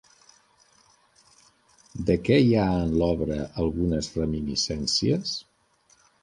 De què hi ha en l'obra algunes reminiscències?